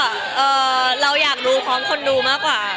เราอยากดูพร้อมคนดูมากกว่า